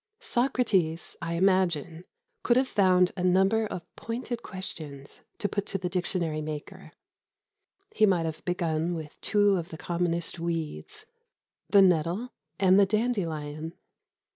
Socrates, I imagine, could have found a number of pointed questions to put to the dictionary maker. He might have begun with two of the commonest weeds, the nettle and the dandelion.